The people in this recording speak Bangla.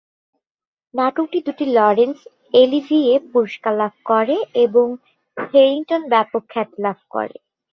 নাটকটি দুটি লরন্স অলিভিয়ে পুরস্কার লাভ করে এবং হ্যারিংটন ব্যাপক খ্যাতি লাভ করে।